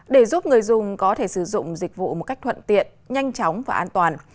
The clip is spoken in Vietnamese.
để giúp người dùng có thể sử dụng dịch vụ một cách thuận tiện nhanh chóng và an toàn